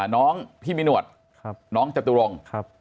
น้องพี่มีหนวดน้องจตุรงค์